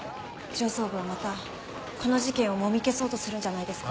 上層部はまたこの事件をもみ消そうとするんじゃないですか？